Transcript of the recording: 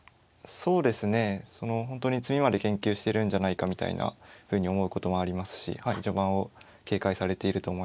そうですねその本当に詰みまで研究してるんじゃないかみたいなふうに思うこともありますし序盤を警戒されていると思います。